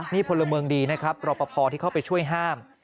นี่พลเมืองดีนะครับรอปภที่เข้าไปช่วยห้าม